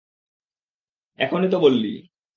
এখনই তো বললি।